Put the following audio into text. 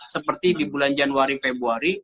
seperti di bulan januari februari